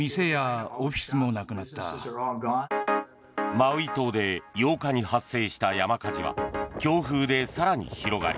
マウイ島で８日に発生した山火事は強風で更に広がり